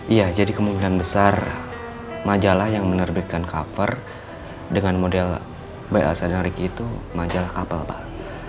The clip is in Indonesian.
iya jadi kemungkinan besar majalah yang menerbitkan cover dengan model by elsa dan ricky itu majalah kapal pak